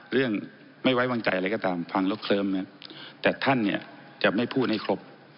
เรื่องไม่ไว้วางใจอะไรก็ตามพังแล้วเคลิ้มแต่ท่านเนี่ยจะไม่พูดให้ครบ